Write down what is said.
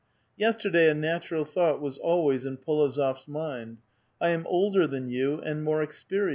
Yesterday a natural thought was always in P61ozor8 mind. "I am older than you, and more experienced.